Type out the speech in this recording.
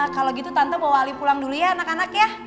kalau gitu tante bawa ali pulang dulu ya anak anak ya